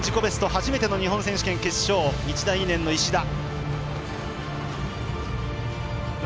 初めての日本選手権決勝日大２年の石田。